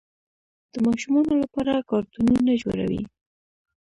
د ماشومانو لپاره کارتونونه جوړوي.